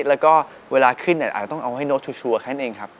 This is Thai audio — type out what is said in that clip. แล้วก็เวลาขึ้นอาจจะต้องเอาให้โน๊ตชูกับเขาเองครับ